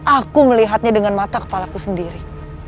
aku melihatnya dengan mata kepalaku sendiri